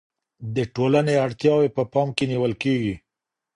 د ټولني اړتياوې په پام کي نیول کيږي.